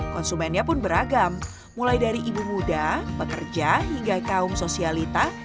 konsumennya pun beragam mulai dari ibu muda pekerja hingga kaum sosialita